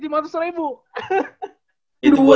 itu buat kagak kelasnya itu mah